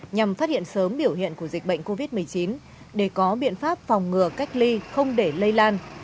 nhằm phát hiện sớm biểu hiện của dịch bệnh covid một mươi chín để có biện pháp phòng ngừa cách ly không để lây lan